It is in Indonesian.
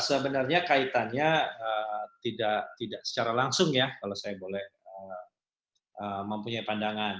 sebenarnya kaitannya tidak secara langsung ya kalau saya boleh mempunyai pandangan